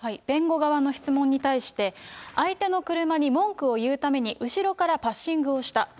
弁護側の質問に対して、相手の車に文句を言うために、後ろからパッシングをした。